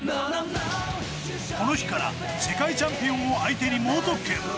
この日から世界チャンピオンを相手に猛特訓。